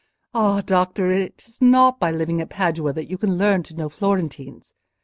Ah, doctor, it is not by living at Padua that you can learn to know Florentines.